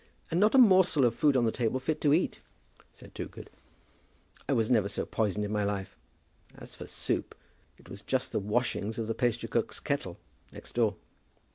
"And not a morsel of food on the table fit to eat," said Toogood. "I never was so poisoned in my life. As for soup, it was just the washings of the pastrycook's kettle next door."